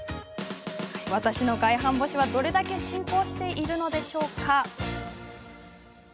私の外反母趾は、どれだけ進行しているのでしょうか？